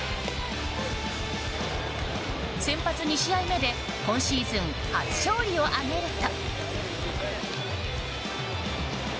先発２試合目で今シーズン初勝利を挙げると。